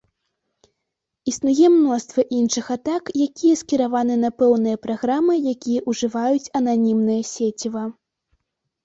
Існуе мноства іншых атак, якія скіраваны на пэўныя праграмы, якія ўжываюць ананімнае сеціва.